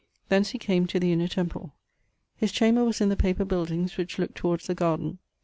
Thence he came to the Inner Temple. His chamber was in the paper buildings which looke towards the garden